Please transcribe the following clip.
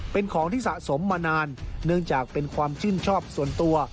เป็นของที่สะสมมานานเนื่องจากเป็นความชื่นชอบส่วนตัว